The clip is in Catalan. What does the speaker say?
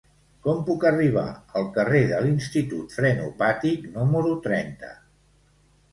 Com puc arribar al carrer de l'Institut Frenopàtic número trenta?